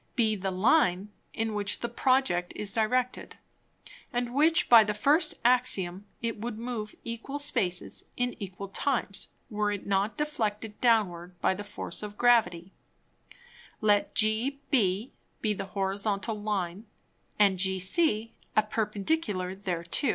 be the Line in which the Project is directed, and in which by the first Axiom it would move equal Spaces in equal Times, were it not deflected downwards by the Force of Gravity. Let GB be the Horizontal Line, and GC a Perpendicular thereto.